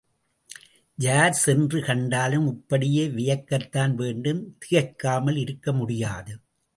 யார் சென்று கண்டாலும், இப்படியே வியக்கத்தான் வேண்டும் திகைக்காமல் இருக்க முடியாது.